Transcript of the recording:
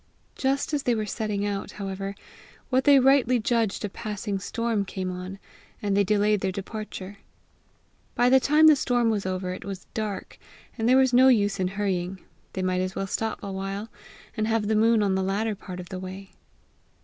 Just as they were setting out, however, what they rightly judged a passing storm came on, and they delayed their departure. By the time the storm was over, it was dark, and there was no use in hurrying; they might as well stop a while, and have the moon the latter part of the way.